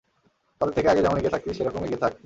তাদের থেকে আগে যেমন এগিয়ে থাকতি, সেরকম এগিয়ে থাক।